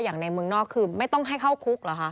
อย่างในเมืองนอกคือไม่ต้องให้เข้าคุกเหรอคะ